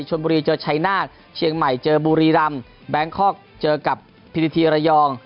ชนบุรีเจอชายนาฏเชียงใหม่เจอบุรีรำแบงคอกเจอกับพีทีระยอง